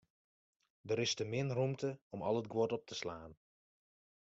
Der is te min rûmte om al it guod op te slaan.